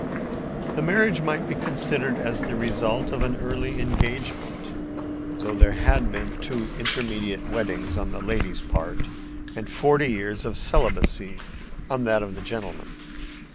The marriage might be considered as the result of an early engagement, though there had been two intermediate weddings on the lady's part and forty years of celibacy on that of the gentleman.